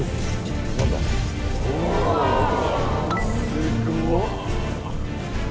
すごっ。